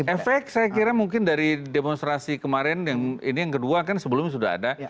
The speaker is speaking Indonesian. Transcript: efek saya kira mungkin dari demonstrasi kemarin ini yang kedua kan sebelumnya sudah ada